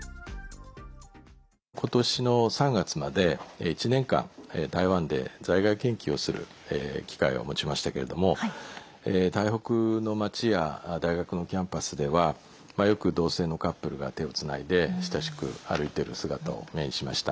今年の３月まで１年間台湾で在外研究をする機会を持ちましたけれども台北の街や大学のキャンパスではよく同性のカップルが手をつないで、親しく歩いている姿を目にしました。